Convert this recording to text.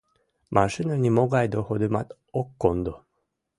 Машина нимогай доходымат ок кондо.